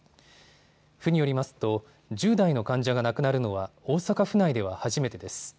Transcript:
国よりますと１０代の患者が亡くなるのは大阪府内では初めてです。